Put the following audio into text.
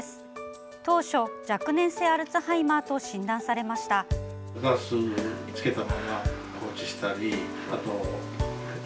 当初、若年性アルツハイマーと診断されました。